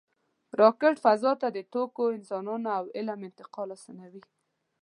راکټ فضا ته د توکو، انسانانو او علم انتقال آسانوي